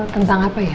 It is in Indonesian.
tentang apa ya